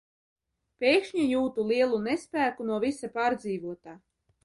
Pēkšņi jūtu lielu nespēku no visa pārdzīvotā.